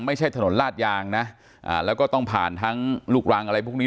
ไม่ใช่ถนนลาดยางนะแล้วก็ต้องผ่านทั้งลูกรังอะไรพวกนี้